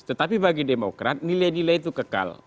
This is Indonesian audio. tetapi bagi demokrat nilai nilai itu kekal